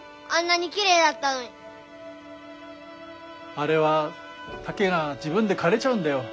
あれは竹が自分でかれちゃうんだよ。